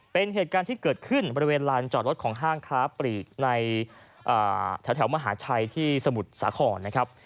เป็นเหตุการณ์ที่เกิดขึ้นบริเวณลานจอดรถของห้างค้าปลีกในแถวมหาชัยที่สมุทรสาครนะครับ